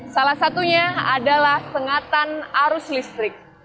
salah satunya adalah sengatan arus listrik